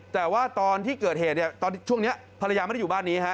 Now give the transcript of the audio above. แต่ว่าตอนที่เกิดเหตุเนี่ยตอนช่วงนี้ภรรยาไม่ได้อยู่บ้านนี้ฮะ